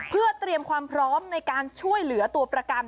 เพื่อเตรียมความพร้อมในการช่วยเหลือตัวประกัน